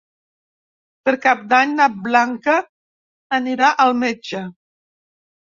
Per Cap d'Any na Blanca anirà al metge.